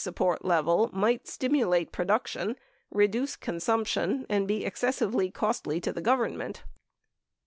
626 support level might stimulate production, reduce consumption, and be excessively costly to the Government.